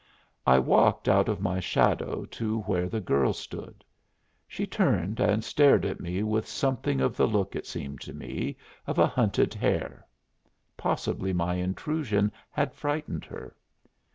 I walked out of my shadow to where the girl stood. She turned and stared at me with something of the look, it seemed to me, of a hunted hare. Possibly my intrusion had frightened her.